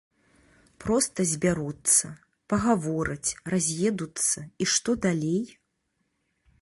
Проста збяруцца, пагавораць, раз'едуцца і што далей?